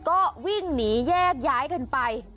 ก็วิ่งหนีแยกย้ายกันไป